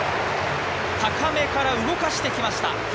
高めから動かしてきました。